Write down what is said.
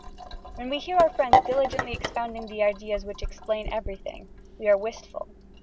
When we hear our friends diligently expounding the ideas which Explain Everything, we are wistful.